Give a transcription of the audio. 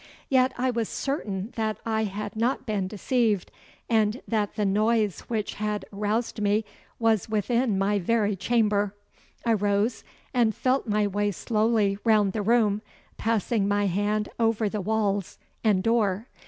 Yet I was certain that I had not been deceived, and that the noise which had aroused me was within my very chamber. I rose and felt my way slowly round the room, passing my hand over the walls and door.